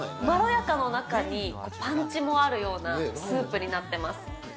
まろやかの中に、パンチもあるようなスープになってます。